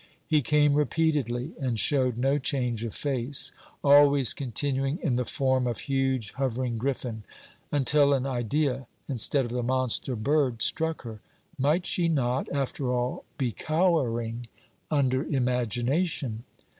He came repeatedly, and showed no change of face, always continuing in the form of huge hovering griffin; until an idea, instead of the monster bird, struck her. Might she not, after all, be cowering under imagination?